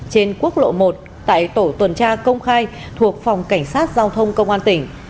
trên quốc lộ một tại tổ tuần tra công khai thuộc phòng cảnh sát giao thông công an tỉnh